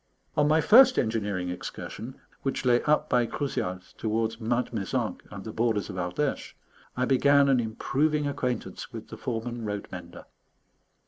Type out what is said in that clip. On my first engineering excursion, which lay up by Crouzials towards Mount Mézenc and the borders of Ardèche, I began an improving acquaintance with the foreman road mender.